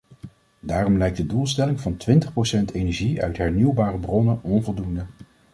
Daarom lijkt de doelstelling van twintig procent energie uit hernieuwbare bronnen onvoldoende.